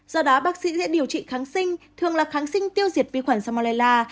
do đó bác sĩ sẽ điều trị kháng sinh thường là kháng sinh tiêu diệt vi khuẩn salmonella